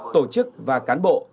tổ chức và cán bộ